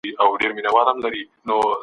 د ميرمني پت ساتل د هغې شرعي حق دی.